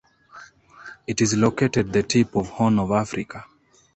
It is located the tip of horn of Africa.